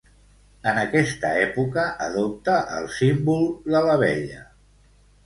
En aquesta època adopta el símbol de l'abella.